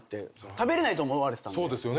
食べれないと思われてたんで。